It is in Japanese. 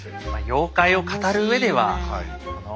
妖怪を語るうえではこの。